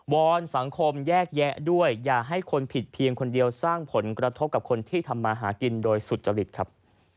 อนสังคมแยกแยะด้วยอย่าให้คนผิดเพียงคนเดียวสร้างผลกระทบกับคนที่ทำมาหากินโดยสุจริตครับ